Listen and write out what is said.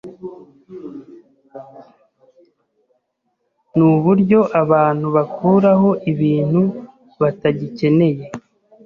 Nuburyo abantu bakuraho ibintu batagikeneye.